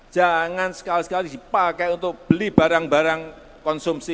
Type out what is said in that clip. jangan sekali sekali dipakai untuk beli barang barang konsumsi